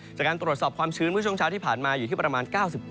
จากการตรวจสอบความชื้นเมื่อช่วงเช้าที่ผ่านมาอยู่ที่ประมาณ๙๘